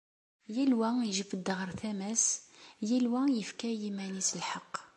Yal wa ijebbed ɣer tama-s, yal wa yefka i yiman-is lḥeqq.